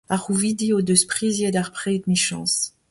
Ar c'houvidi o deus priziet ar pred emichañs.